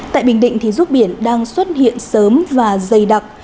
tại bình định ruốc biển đang xuất hiện sớm và dày đặc